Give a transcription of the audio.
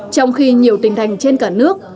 trong khi nhiều tình thành trên cả nước